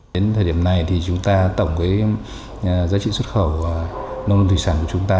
đến thời điểm này thì chúng ta tổng cái giá trị xuất khẩu nông thị sản của chúng ta